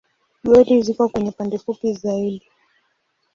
Goli ziko kwenye pande fupi zaidi.